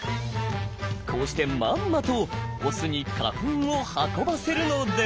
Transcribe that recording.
こうしてまんまとオスに花粉を運ばせるのです。